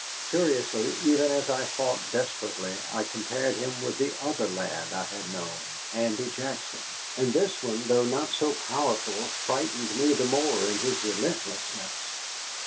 Curiously, even as I fought desperately I compared him with that other lad I had known, Andy Jackson. And this one, though not so powerful, frightened me the more in his relentlessness.